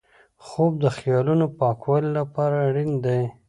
خوب د خیالاتو پاکولو لپاره اړین دی